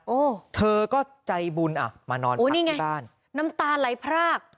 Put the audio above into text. โอ้เธอก็ใจบุญอ่ะมานอนไปที่บ้านโอ้นี่ไงน้ำตาไหลพราก